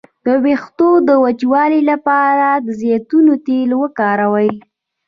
د ویښتو د وچوالي لپاره د زیتون تېل وکاروئ